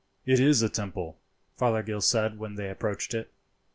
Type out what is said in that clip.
"It is a temple," Fothergill said when they approached it.